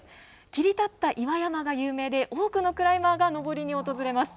切り立った岩山が有名で、多くのクライマーが登りに訪れます。